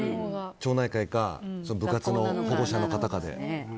町内会か部活の保護者の方かで。